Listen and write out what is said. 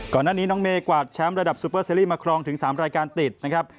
ก่อนหน้านี้น้องเมย์กวาดแชมป์ระดับซูเปอร์ซีรีส์มาครองถึง๓รายการติดนะครับ